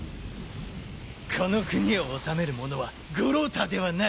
この国を治める者は五郎太ではない。